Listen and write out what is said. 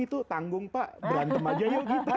itu tanggung pak berantem aja yuk kita